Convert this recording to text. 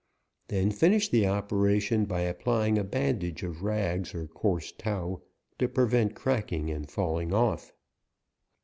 Then finish the operation by applying a bandage of rags or coarse tow, to prevent cracking and falling off.